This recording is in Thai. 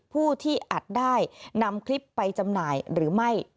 ผู้ที่อัดได้นำคลิปไปจำหน่ายหรือไม่